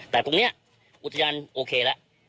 แต่ตรงเนี้ยอุตจัยานโอเคละ